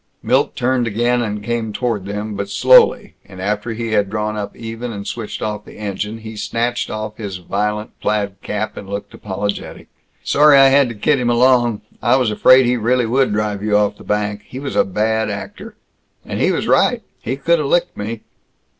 Milt turned again and came toward them, but slowly; and after he had drawn up even and switched off the engine, he snatched off his violent plaid cap and looked apologetic. "Sorry I had to kid him along. I was afraid he really would drive you off the bank. He was a bad actor. And he was right; he could have licked me.